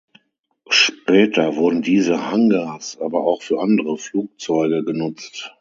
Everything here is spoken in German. Später wurden diese Hangars aber auch für andere Flugzeuge genutzt.